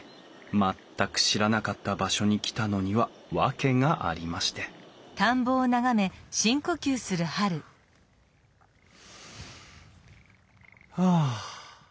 全く知らなかった場所に来たのには訳がありましてはあ。